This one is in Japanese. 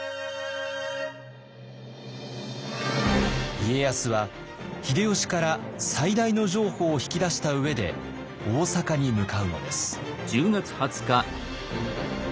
家康は秀吉から最大の譲歩を引き出した上で大坂に向かうのです。